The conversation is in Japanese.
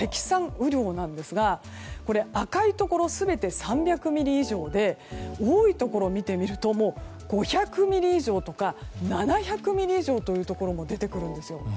雨量なんですが赤いところは全て３００ミリ以上で多いところを見てみると５００ミリ以上とか７００ミリ以上というところも出てくるんです。